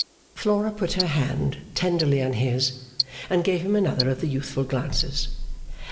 Flora put her hand tenderly on his, and gave him another of the youthful glances.